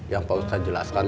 yang pak ustadz jelaskan